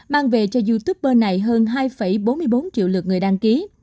mang về cho youtuber này hơn hai bốn mươi bốn triệu lượt người đăng ký